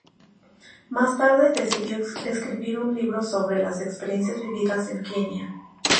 Más tarde, decidió escribir un libro sobre las experiencias vividas en Kenia.